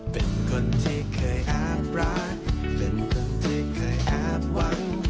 เป็นคนที่เคยอ้างรักเป็นคนที่เคยอาบหวัง